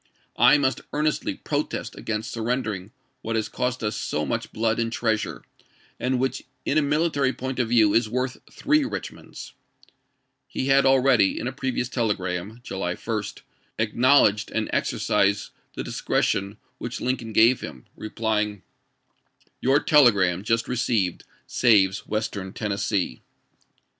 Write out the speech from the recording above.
I must earnestly protest against surrendering what has cost us so much blood and treasure, and which in a military point of view is worth three Rich monds." He had already, in a previous telegram (July 1), acknowledged and exercised the discretion halleck's cokinth campaign 355 which Lincoln gave him, replying, " Your telegram, chap.xix, just received, saves Western Tennessee."